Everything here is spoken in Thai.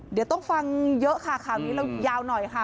เดี๋ยวต้องฟังเยอะค่ะข่าวนี้เรายาวหน่อยค่ะ